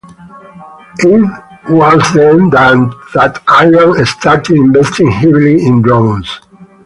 It was then that Iran started investing heavily in drones.